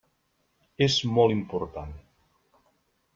És molt important.